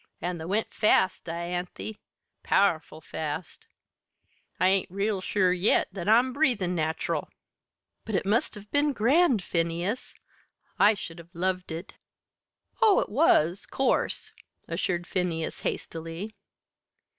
An' they went fast, Dianthy powerful fast. I ain't real sure yet that I'm breathin' natural." "But it must have been grand, Phineas! I should have loved it!" "Oh, it was, 'course!" assured Phineas, hastily.